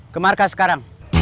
ke markas sekarang